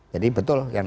jadi betul yang